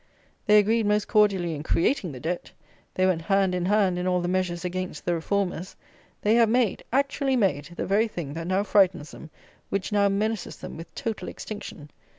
They agreed most cordially in creating the Debt. They went hand in hand in all the measures against the Reformers. They have made, actually made, the very thing that now frightens them, which now menaces them with total extinction.